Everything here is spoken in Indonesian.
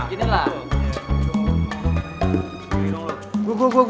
tega banget sih tuh orang ngelakuin itu